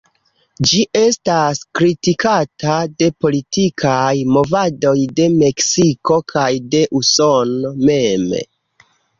Ĝi estas kritikata de politikaj movadoj de Meksiko kaj de Usono mem.